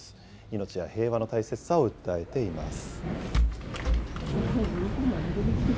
命や平和の大切さを訴えています。